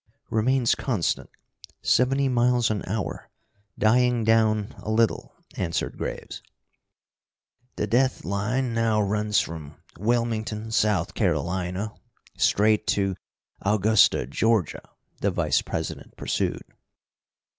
"Remains constant. Seventy miles an hour. Dying down a little," answered Graves. "The death line now runs from Wilmington, South Carolina, straight to Augusta, Georgia," the Vice president pursued.